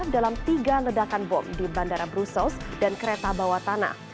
dalam tiga ledakan bom di bandara brussels dan kereta bawah tanah